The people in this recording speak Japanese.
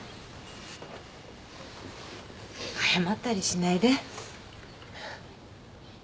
謝ったりしないで。